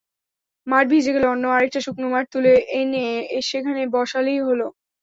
মাঠ ভিজে গেলে অন্য আরেকটা শুকনো মাঠ তুলে এনে সেখানে বসালেই হলো।